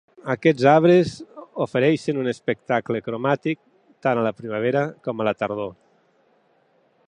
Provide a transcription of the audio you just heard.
Aquests arbres ofereixen un espectacle cromàtic tant a la primavera com a la tardor.